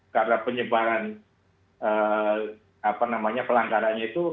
karena penyebaran pelanggarannya itu